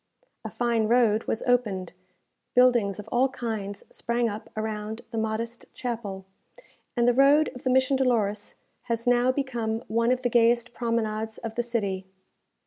A fine road was opened, buildings of all kinds sprang up around the modest chapel, and the road of the Mission Dolores has now become one of the gayest promenades of the city.